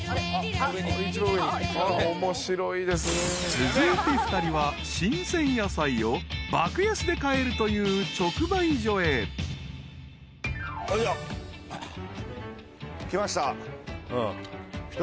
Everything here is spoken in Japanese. ［続いて２人は新鮮野菜を爆安で買えるという直売所へ］来ました。